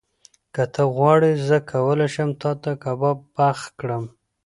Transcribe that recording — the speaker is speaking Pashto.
که ته غواړې، زه کولی شم تاته کباب پخ کړم.